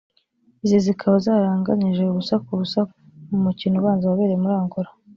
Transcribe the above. izi zikaba zaranganyije ubusa ku busa mu mukino ubanza wabereye muri Angola